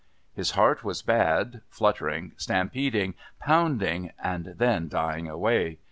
His heart was bad, fluttering, stampeding, pounding and then dying away.